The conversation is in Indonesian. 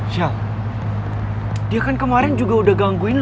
michelle dia kan kemarin juga udah gangguin lo